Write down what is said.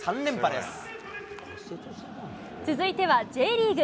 続いてはＪリーグ。